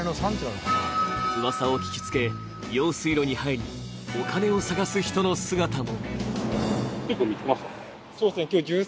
うわさを聞きつけ、用水路に入りお金を探す人の姿も。